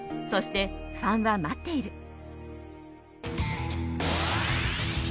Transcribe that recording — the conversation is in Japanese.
そして、ファンは待っている。